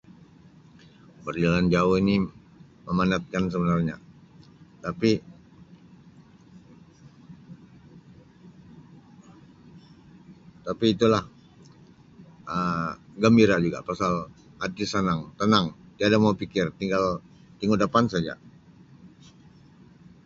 Berjalan jauh ini memenatkan sebenarnya tapi-tapi itulah Um gembira juga pasal hati senang, tenang, tiada mau pikir tinggal tingu dapan saja.